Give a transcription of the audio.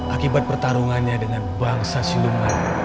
akibat pertarungannya dengan bangsa siluman